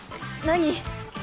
何？